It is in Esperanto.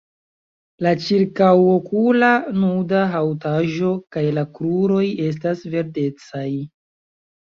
La ĉirkaŭokula nuda haŭtaĵo kaj la kruroj estas verdecaj.